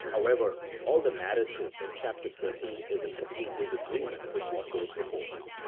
However, all the narrative in chap. xiii. is in complete disagreement with what goes before.